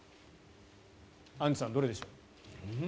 アンジュさん、どれでしょう。